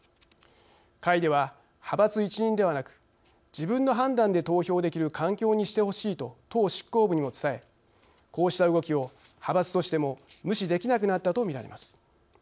会では「派閥一任ではなく自分の判断で投票できる環境にしてほしい」と党執行部にも伝えこうした動きを派閥としても無視できなくなったとみられます。